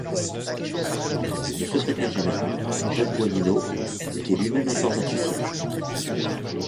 Le secrétaire général, Jacques Gualino, était lui-même informaticien.